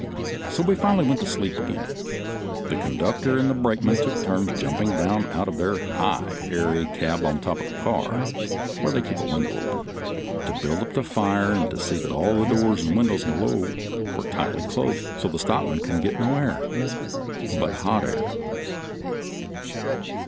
We finally went to sleep again. The conductor and brakeman took turns jumping down out of their high airy cab on top of the car (where they keep a window open) to build up the fire and see that all the doors and windows below were tightly closed so the stockmen couldn't get no air, but hot air.